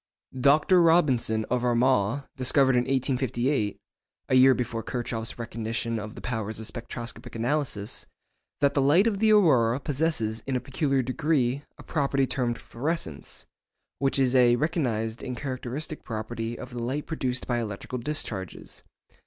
Dr. Robinson, of Armagh, discovered in 1858 (a year before Kirchhoff's recognition of the powers of spectroscopic analysis) that the light of the aurora possesses in a peculiar degree a property termed fluorescence, which is a recognised and characteristic property of the light produced by electrical discharges.